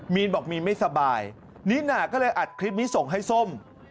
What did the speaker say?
มีนบอกมีนไม่สบายนิน่าก็เลยอัดคลิปนี้ส่งให้ส้ม